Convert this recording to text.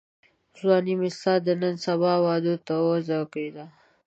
ځواني مي ستا د نن سبا وعدو ته وزوکلېده